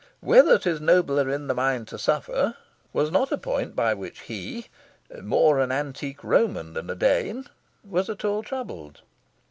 "Whether 'tis nobler in the mind to suffer" was not a point by which he, "more an antique Roman than a Dane," was at all troubled.